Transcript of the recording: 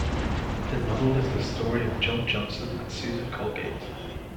The novel is the story of John Johnson and Susan Colgate.